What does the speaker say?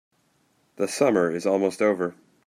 The summer is almost over.